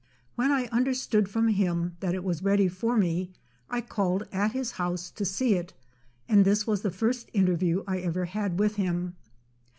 When I understood from him that it was ready for me, I called at his house to see it; and this was the first interview I ever had with him.